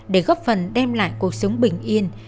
để góp phần đem lại cuộc sống bình yên